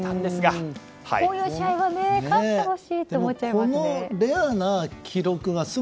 こういう試合は勝ってほしいと思っちゃいます。